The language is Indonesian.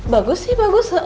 bagus sih bagus